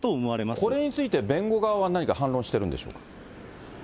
これについて、弁護側は何か反論してるんでしょうか。